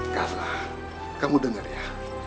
karla kamu denger ya